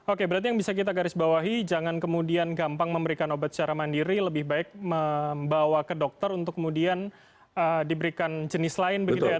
oke berarti yang bisa kita garis bawahi jangan kemudian gampang memberikan obat secara mandiri lebih baik membawa ke dokter untuk kemudian diberikan jenis lain begitu ya